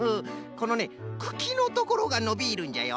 このねくきのところがのびるんじゃよ。